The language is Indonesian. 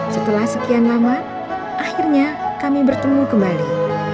setelah sekian lama akhirnya kami bertemu kembali